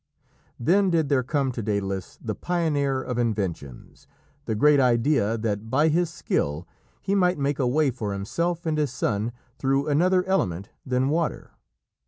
Then did there come to Dædalus, the pioneer of inventions, the great idea that by his skill he might make a way for himself and his son through another element than water.